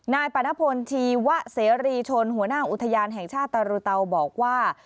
ปรณพลชีวะเสรีชนหัวหน้าอุทยานแห่งชาติตรูเตาบอกว่า